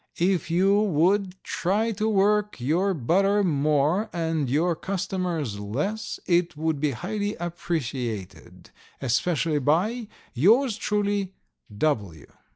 If you would try to work your butter more and your customers less it would be highly appreciated, especially by, yours truly, W.